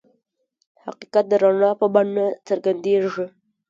حقیقت د رڼا په بڼه څرګندېږي.